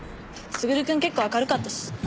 優くん結構明るかったし。